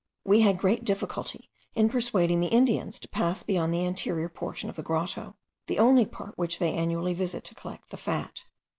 We had great difficulty in persuading the Indians to pass beyond the anterior portion of the grotto, the only part which they annually visit to collect the fat.